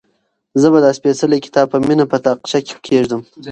زه به دا سپېڅلی کتاب په مینه په تاقچه کې کېږدم.